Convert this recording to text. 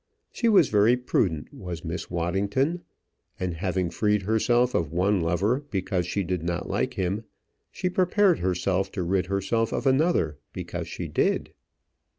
She was very prudent, was Miss Waddington; and having freed herself of one lover because she did not like him, she prepared to rid herself of another because she did.